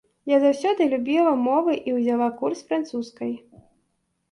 Я заўсёды любіла мовы і ўзяла курс французскай.